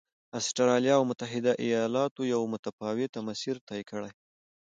اسټرالیا او متحدو ایالتونو یو متفاوت مسیر طی کړ.